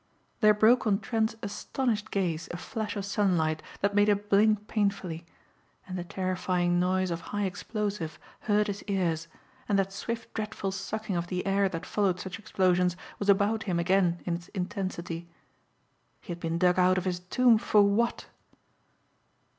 There broke on Trent's astonished gaze a flash of sunlight that made him blink painfully. And the terrifying noise of high explosive hurt his ears and that swift dreadful sucking of the air that followed such explosions was about him again in its intensity. He had been dug out of his tomb for what?